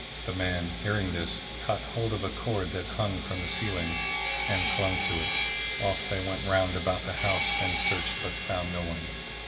The man, hearing this, caught hold of a cord that hung from the ceiling and clung to it, whilst they went round about the house and searched but found no one.